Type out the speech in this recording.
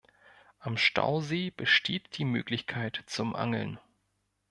Am Stausee besteht die Möglichkeit zum Angeln.